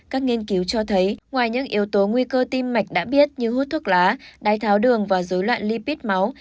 các nghiên cứu cho thấy ngoài những yếu tố nguy cơ tim mạch đã biết như hút thuốc lá đái tháo đường và dối loạn lipid máu